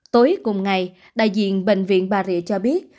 tối cùng ngày đại diện bệnh viện bà rịa cho biết